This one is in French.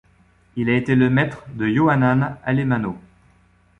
Il a été le maître de Yohanan Alemanno.